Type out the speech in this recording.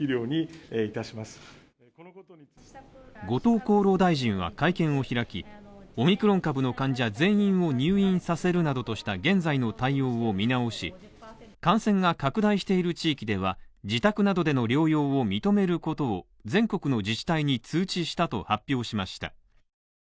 後藤厚労大臣は会見を開き、オミクロン株の患者全員を入院させるなどとした現在の対応を見直し、感染が拡大している地域では、自宅などでの療養を認めることを全国の自治体に通知したと発表しました。